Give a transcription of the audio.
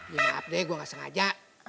ya maaf deh gue gak sengaja